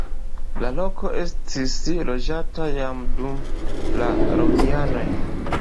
La loko estis loĝata jam dum la romianoj.